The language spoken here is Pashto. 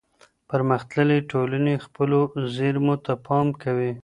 پرمختللې ټولني خپلو زیرمو ته پام کوي.